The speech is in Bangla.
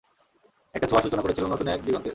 একটা ছোঁয়া সূচনা করেছিল নতুন এক দিগন্তের।